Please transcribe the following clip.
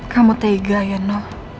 kamu tega ino